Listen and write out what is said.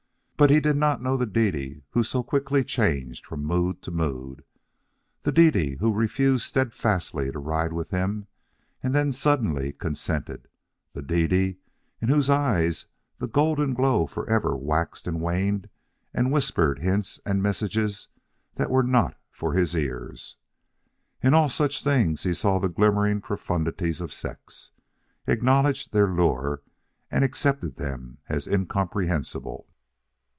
But he did not know the Dede who so quickly changed from mood to mood, the Dede who refused steadfastly to ride with him and then suddenly consented, the Dede in whose eyes the golden glow forever waxed and waned and whispered hints and messages that were not for his ears. In all such things he saw the glimmering profundities of sex, acknowledged their lure, and accepted them as incomprehensible.